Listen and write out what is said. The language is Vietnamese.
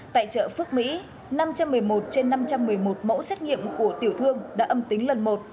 tại chợ phước mỹ năm trăm một mươi một trên năm trăm một mươi một mẫu xét nghiệm của tiểu thương đã âm tính lần một